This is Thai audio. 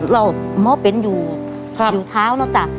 เราม้อเป็นอยู่ท้าวนะจ๊ะ